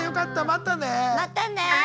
またね！